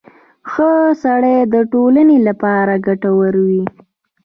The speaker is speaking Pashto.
• ښه سړی د ټولنې لپاره ګټور وي.